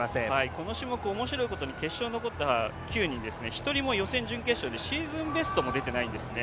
この種目面白いことに決勝に残った９人、１人も予選、準決勝でシーズンベストも出ていないんですね。